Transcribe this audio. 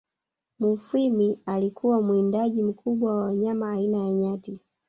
Mufwimi alikuwa mwindaji mkubwa wa wanyama aina ya Nyati